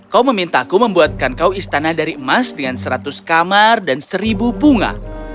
kau memintaku membuatkan kau istana dari emas dengan seratus kamar dan seribu bunga